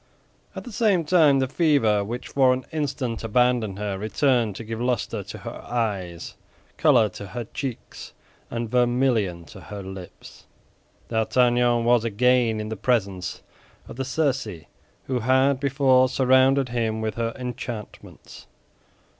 At the same time the fever, which for an instant abandoned her, returned to give luster to her eyes, color to her cheeks, and vermillion to her lips. D'Artagnan was again in the presence of the Circe who had before surrounded him with her enchantments.